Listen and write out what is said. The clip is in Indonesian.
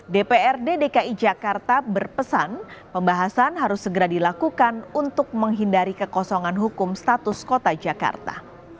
dprd dki jakarta berpesan pembahasan harus segera dilakukan untuk menghindari kekosongan hukum status kota jakarta